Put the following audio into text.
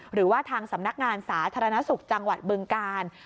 หรือว่าทางสำนักงานสาธารณสุขจังหวัดบึงกาล